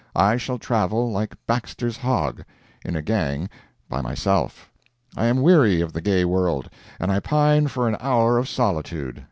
I shall travel like Baxter's hog—in a gang by myself. I am weary of the gay world, and I pine for an hour of solitude.